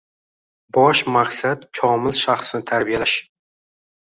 Bosh maqsad komil shaxsni tarbiyalash.